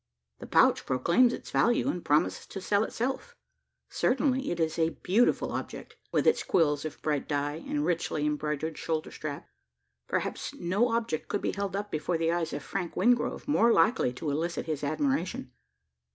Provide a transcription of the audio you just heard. The pouch proclaims its value, and promises to sell itself. Certainly it is a beautiful object with its quills of brilliant dye, and richly embroidered shoulder strap. Perhaps no object could be held up before the eyes of Frank Wingrove more likely to elicit his admiration.